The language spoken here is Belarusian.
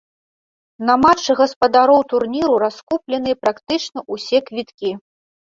На матчы гаспадароў турніру раскупленыя практычна ўсе квіткі.